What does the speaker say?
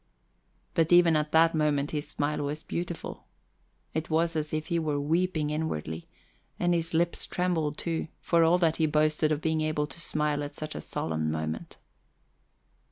But even at that moment his smile was beautiful. It was as if he were weeping inwardly, and his lips trembled, too, for all that he boasted of being able to smile at such a solemn moment.